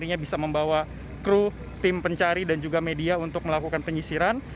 artinya bisa membawa kru tim pencari dan juga media untuk melakukan penyisiran